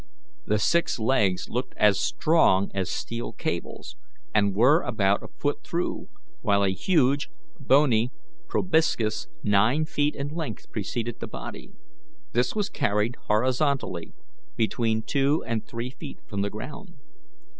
The six legs looked as strong as steel cables, and were about a foot through, while a huge, bony proboscis nine feet in length preceded the body. This was carried horizontally between two and three feet from the ground.